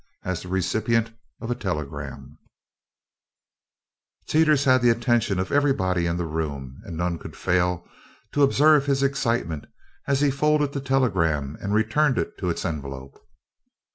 As the recipient of a telegram, Teeters had the attention of everybody in the room, and none could fail to observe his excitement as he folded the telegram and returned it to its envelope.